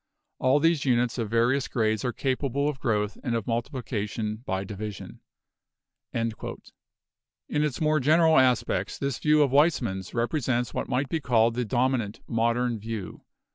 All these units of various grades are ca pable of growth and of multiplication by division." In its more general aspects this view of Weismann's represents what might be called the dominant modern view.